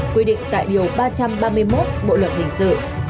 quy định tại điều ba trăm ba mươi một bộ luật hình sự